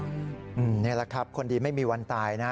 นี่แหละครับคนดีไม่มีวันตายนะ